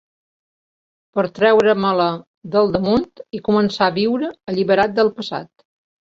Per treure-me-la del damunt i començar a viure alliberat del passat.